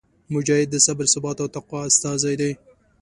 مجاهد د صبر، ثبات او تقوا استازی دی.